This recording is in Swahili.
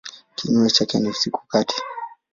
Kinyume chake ni usiku kati.